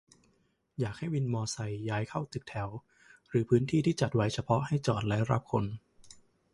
อยากให้วินมอไซค์ย้ายเข้าตึกแถวหรือพื้นที่ที่จัดไว้เฉพาะให้จอดและรับคน